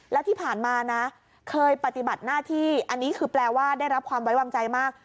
แล้วที่ผ่านมานะเคยปฏิบัติหน้าที่อันนี้คือแปลว่าได้รับความไว้วางใจมาก